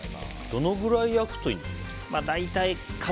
どのくらい焼くといいんですか？